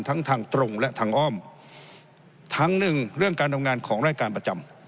ทั้งทางตรงและทางอ้อมทั้งหนึ่งเรื่องการทำงานของรายการประจำ